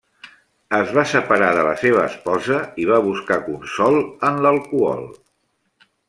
Es va separar de la seva esposa i va buscar consol en l'alcohol.